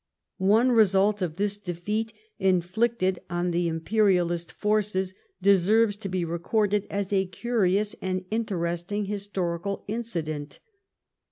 One result of this defeat inflicted on the imperialist forces deserves to be recorded as a curious and interesting historical incident.